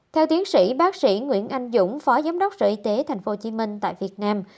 theo tiến sĩ bác sĩ nguyễn anh dũng phó giám đốc sở y tế tp hcm tại việt nam